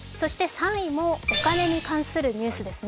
３位もお金に関するニュースですね。